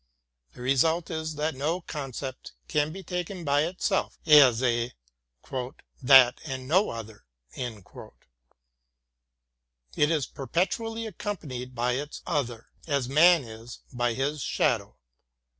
The result is that no concept can be taken by itself as a '' that and no other. " It is perpetu ally accompanied by its ''other" as man is by his shadow.